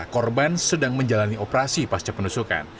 korban sedang menjalani operasi pasca penusukan